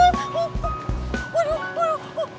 diam diam dulu